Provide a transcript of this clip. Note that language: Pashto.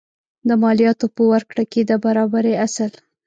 د مالیاتو په ورکړه کې د برابرۍ اصل.